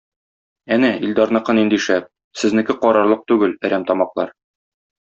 Әнә, Илдарныкы нинди шәп, сезнеке карарлык түгел, әрәмтамаклар.